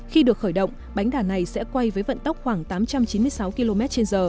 khi được khởi động bánh đà này sẽ quay với vận tốc khoảng tám trăm chín mươi sáu kmh